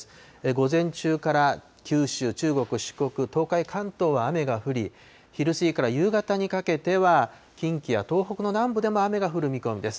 午前中から九州、中国、四国、東海、関東は雨が降り、昼過ぎから夕方にかけては近畿や東北の南部でも雨が降る見込みです。